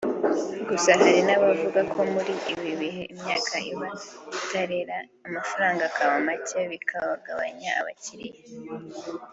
gusa hari n’abavuga ko muri ibi bihe imyaka iba itarera amafaranga akaba make bikagabanya abakiriya